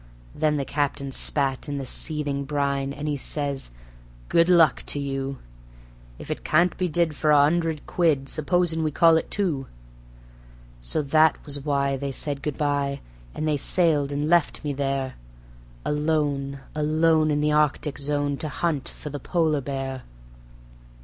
Then the Captain spat in the seething brine, and he says: "Good luck to you, If it can't be did for a 'undred quid, supposin' we call it two?" So that was why they said good by, and they sailed and left me there Alone, alone in the Arctic Zone to hunt for the polar bear.